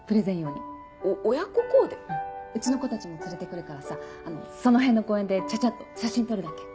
うちの子たちも連れて来るからさその辺の公園でちゃちゃっと写真撮るだけ。